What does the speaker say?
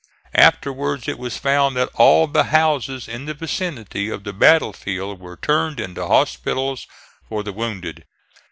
Afterwards it was found that all the houses in the vicinity of the battlefield were turned into hospitals for the wounded.